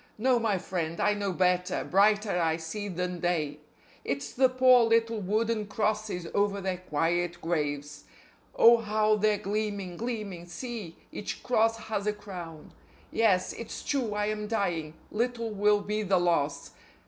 No, my friend, I know better; brighter I see than day: It's the poor little wooden crosses over their quiet graves. Oh, how they're gleaming, gleaming! See! Each cross has a crown. Yes, it's true I am dying; little will be the loss.